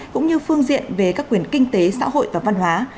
cũng như phương diện về các quyền kinh tế xã hội và văn hóa